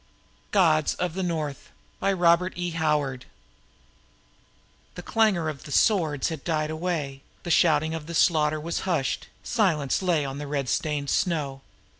8830Gods of the North1934Robert Ervin Howard The clangor of the swords had died away, the shouting of the slaughter was hushed; silence lay on the red stained snow.